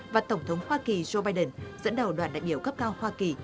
và tổng thống hoa kỳ joe biden dẫn đầu đoàn đại biểu cấp cao hoa kỳ